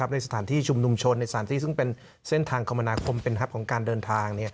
ในสถานที่ชุมนุมชนในสถานที่ซึ่งเป็นเส้นทางคมนาคมเป็นทัพของการเดินทาง